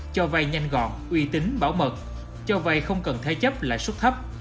cho vay nhanh gọn uy tín bảo mật cho vay không cần thay chấp là suất thấp